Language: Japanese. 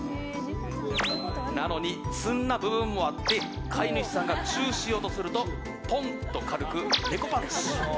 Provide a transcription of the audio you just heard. なのに、ツンな部分もあって飼い主さんがチューしようとするとポンッと軽くネコパンチ。